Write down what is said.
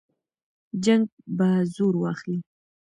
جنګ به زور واخلي.